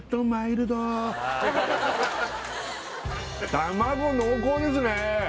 卵濃厚ですね